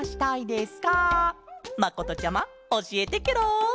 まことちゃまおしえてケロ！